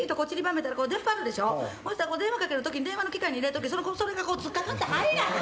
そしたら電話かける時に電話の機械に入れる時それがつっかかって入らへん。